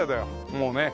もうね。